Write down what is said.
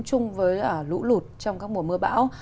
chung với lũ lụt trong các mùa mưa bão